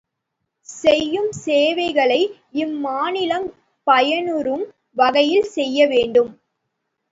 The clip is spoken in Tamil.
செய்யும் வேலைகளை இம்மாநிலம் பயனுறும் வகையில் செய்ய வேண்டும்.